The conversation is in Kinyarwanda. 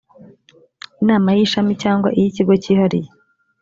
inama y ishami cyangwa iy ikigo cyihariye